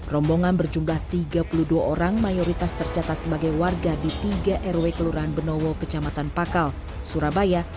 rombongan berjumlah tiga puluh dua orang mayoritas tercatat sebagai warga di tiga rw kelurahan benowo kecamatan pakal surabaya